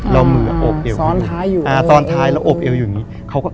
แล้วมืออบเอวอยู่นี่สอนท้ายแล้วอบเอวอยู่นี่เขาก็